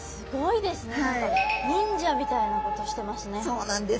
そうなんです。